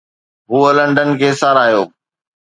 هوء لنڊن کي ساراهيو